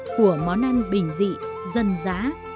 của món ăn bình dị dân giá